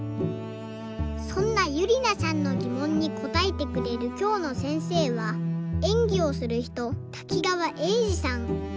そんなゆりなさんのぎもんにこたえてくれるきょうのせんせいはえんぎをするひと滝川英治さん。